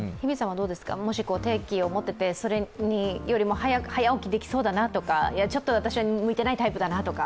もし定期を持ってて、それより早起きできそうだなとか、ちょっと私は向いてないタイプだなとか？